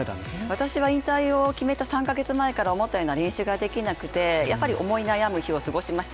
私は引退を決めた３カ月前から思ったような練習ができなくてやっぱり思い悩む日を過ごしました。